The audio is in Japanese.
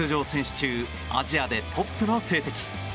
中アジアでトップの成績。